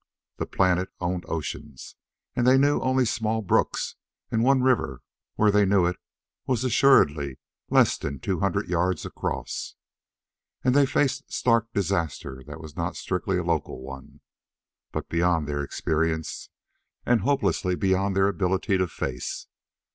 The planet owned oceans, and they knew only small brooks and one river which, where they knew it, was assuredly less than two hundred yards across. And they faced stark disaster that was not strictly a local one, but beyond their experience and hopelessly beyond their ability to face.